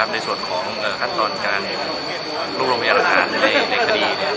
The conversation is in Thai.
ในส่วนของคัตรนการลุ่มลงบินอาหารในคดี